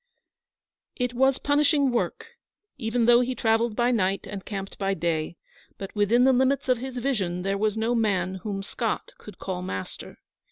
It was punishing work, even though he travelled by night and camped by day; but within the limits of his vision there was no man whom Scott could call master.